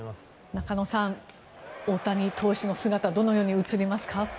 中野さん、大谷投手の姿どのように映りますか？